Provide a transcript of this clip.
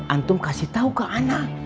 antum kasih tau ke ana